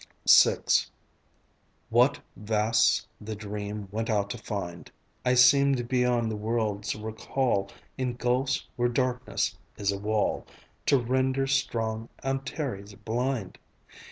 VI What vasts the dream went out to find! I seemed beyond the world's recall In gulfs where darkness is a wall To render strong Antares blind!